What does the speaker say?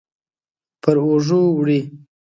پر اوږو وړي